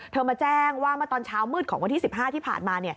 มาแจ้งว่าเมื่อตอนเช้ามืดของวันที่๑๕ที่ผ่านมา